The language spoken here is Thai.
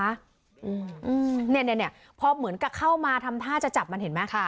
อืมเนี่ยเนี่ยพอเหมือนกับเข้ามาทำท่าจะจับมันเห็นไหมค่ะ